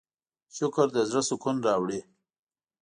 شکر د زړۀ سکون راوړي.